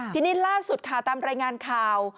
ทีนี้ล่าสุดค่ะตามรายงานข่าว